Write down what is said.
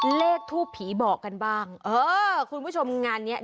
เลขทูบผีบอกกันบ้างเออคุณผู้ชมงานเนี้ย